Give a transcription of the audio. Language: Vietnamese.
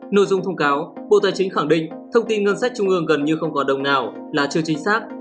nội dung thông cáo bộ tài chính khẳng định thông tin ngân sách trung ương gần như không có đồng nào là chưa chính xác